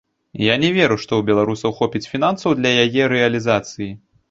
Я не веру, што ў беларусаў хопіць фінансаў для яе рэалізацыі.